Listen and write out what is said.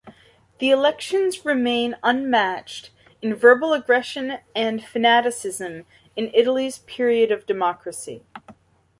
The elections remain unmatched in verbal aggression and fanaticism in Italy's period of democracy.